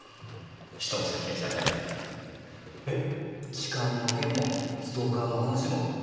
痴漢の件もストーカーの話も聞きましたよ。